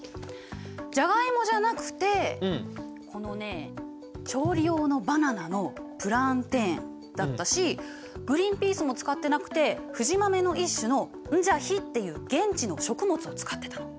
ジャガイモじゃなくてこのね調理用のバナナのプランテンだったしグリンピースも使ってなくてフジマメの一種のンジャヒっていう現地の食物を使ってたの。